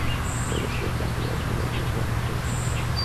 Roberto Faenza adaptó "Los virreyes" al cine.